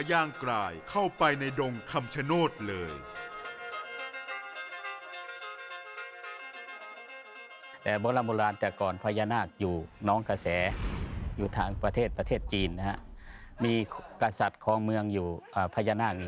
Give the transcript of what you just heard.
ย่างกรายเข้าไปในดงคำชโนธเลย